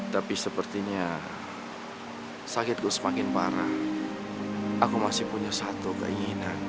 dengan gusti kosong